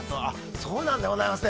そうなんでございますね。